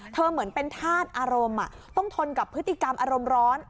เหมือนเป็นธาตุอารมณ์ต้องทนกับพฤติกรรมอารมณ์ร้อน